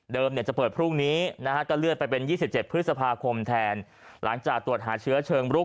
เดิมจะเปิดพรุ่งนี้ก็เลื่อนไปเป็น๒๗พฤษภาคมแทน